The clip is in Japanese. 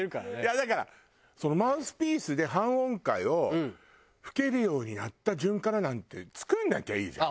だからマウスピースで半音階を吹けるようになった順からなんて作んなきゃいいじゃん。